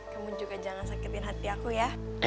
kamu juga jangan sakitin hati aku ya